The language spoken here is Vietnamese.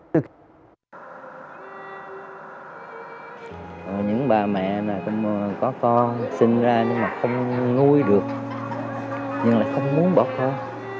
những bà mẹ có con sinh ra nhưng mà không nuôi được nhưng lại không muốn bỏ con